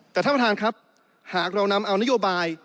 แต่ท่านประธานครับหากเรานำเอานโยบาย